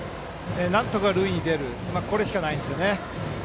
なんとか塁に出るこれしかないですね。